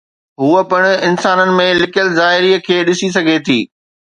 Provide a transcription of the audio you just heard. هوء پڻ انسانن ۾ لڪيل ظاهري کي ڏسي سگهي ٿي